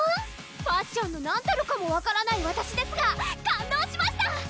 ファッションの何たるかも分からないわたしですが感動しました！